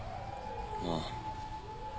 ああ。